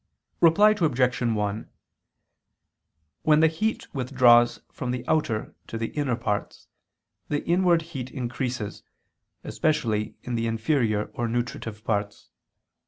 Reply Obj. 1: When the heat withdraws from the outer to the inner parts, the inward heat increases, especially in the inferior or nutritive parts.